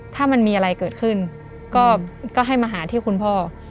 ถ้ามันมีอะไรเกิดขึ้นก็ให้มาหาที่คุณพ่อ